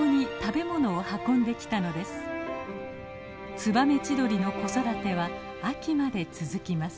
ツバメチドリの子育ては秋まで続きます。